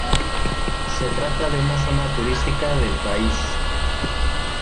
Se trata de una zona turística del país.